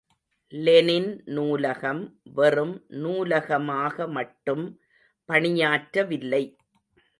Lenin நூலகம், வெறும் நூலகமாக மட்டும் பணியாற்ற வில்லை.